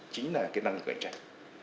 chính là cái năng lực cạnh tranh